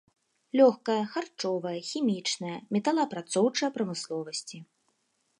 Лёгкая, харчовая, хімічная, металаапрацоўчая прамысловасці.